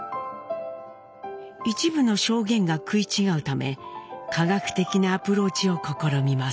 一部の証言が食い違うため科学的なアプローチを試みます。